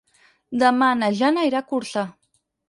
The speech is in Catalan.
Demà na Jana irà a Corçà.